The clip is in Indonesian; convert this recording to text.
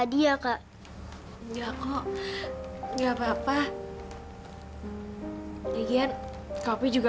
harapnya digayak sushi aja